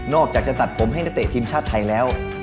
อกจากจะตัดผมให้นักเตะทีมชาติไทยแล้ว